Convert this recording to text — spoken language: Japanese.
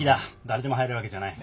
誰でも入れるわけじゃない。